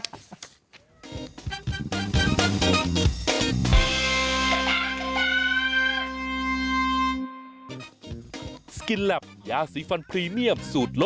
ทุกคนตั้งใจฟังหมด